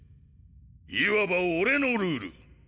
いわば俺のルール。